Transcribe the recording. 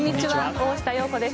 大下容子です。